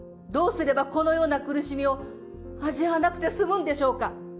どうすればこのような苦しみを味わわなくて済むんでしょうか。